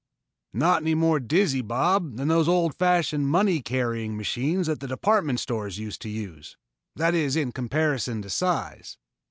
"Not any more dizzy, Bob, than those old fashioned money carrying machines that the department stores used to use that is in comparison to size.